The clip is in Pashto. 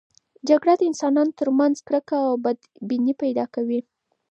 جګړه د انسانانو ترمنځ کرکه او بدبیني پیدا کوي.